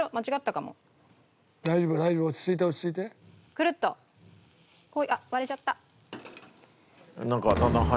クルッとあっ割れちゃった。